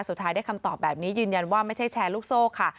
สุดท้ายได้คำตอบแบบนี้ยืนยันว่าไม่ใช่แชร์ลูกโซ่ค่ะ